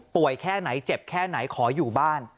แค่ไหนเจ็บแค่ไหนขออยู่บ้าน